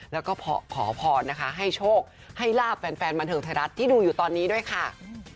แล้วก็ขอพรนะคะให้โชคให้ลาบแฟนบันเทิงไทยรัฐที่ดูอยู่ตอนนี้ด้วยค่ะ